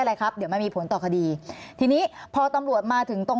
อะไรครับเดี๋ยวมันมีผลต่อคดีทีนี้พอตำรวจมาถึงตรง